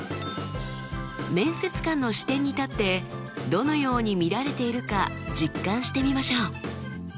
面接官の視点に立ってどのように見られているか実感してみましょう。